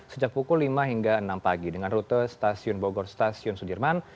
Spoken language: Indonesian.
sejak pukul lima hingga enam pagi dengan rute stasiun bogor stasiun sudirman